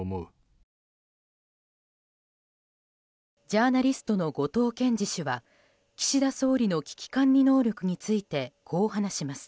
ジャーナリストの後藤謙次氏は岸田総理の危機管理能力についてこう話します。